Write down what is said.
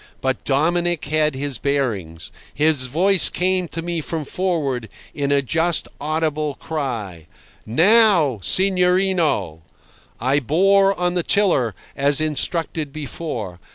But Dominic had his bearings. His voice came to me from forward, in a just audible cry: "Now, signorino!" I bore on the tiller, as instructed before.